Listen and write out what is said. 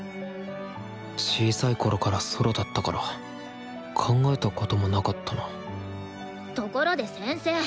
小さいころからソロだったから考えたこともなかったなところで先生。